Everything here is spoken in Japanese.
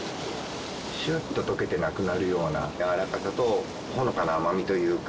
シュッと溶けてなくなるようなやわらかさとほのかな甘みというか。